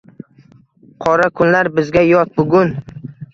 Qora kunlar bizga yot bugun;